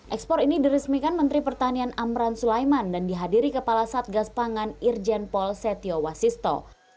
ekspor ini diresmikan menteri pertanian amran sulaiman dan dihadiri kepala satgas pangan irjen pol setio wasisto